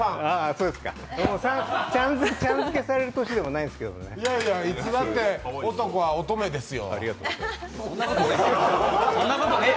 そうですか、ちゃん付けされる年でもないんですけどね。いやいや、いつだって男は乙女ですよ。